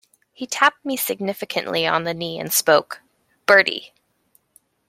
He tapped me significantly on the knee and spoke: "Bertie."